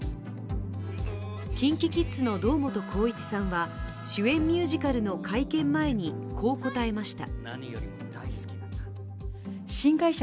ＫｉｎＫｉＫｉｄｓの堂本光一さんは主演ミュージカルの会見前にこう答えました。